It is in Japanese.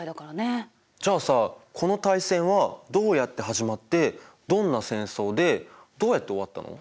じゃあさこの大戦はどうやって始まってどんな戦争でどうやって終わったの？